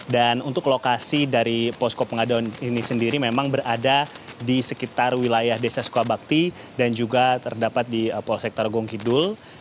dan untuk lokasi dari posko pengaduan ini sendiri memang berada di sekitar wilayah desa sukabakti dan juga terdapat di polsek torgung kidul